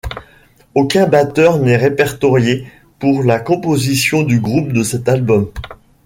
Aucun batteur n'est répertorié pour la composition du groupe de cet album.